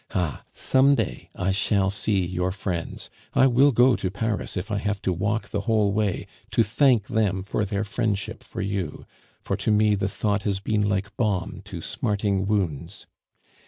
Ah! some day I shall see your friends; I will go to Paris, if I have to walk the whole way, to thank them for their friendship for you, for to me the thought has been like balm to smarting wounds.